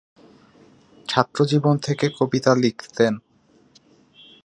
ছাত্র জীবন থেকে কবিতা লিখতেন।